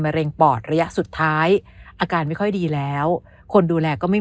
เร็งปอดระยะสุดท้ายอาการไม่ค่อยดีแล้วคนดูแลก็ไม่